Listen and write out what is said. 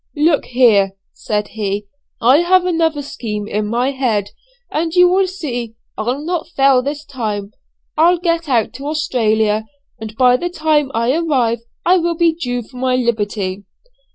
"Look here," said he, "I have another scheme in my head, and you will see I'll not fail this time. I'll get out to Australia, and by the time I arrive I will be due for my liberty."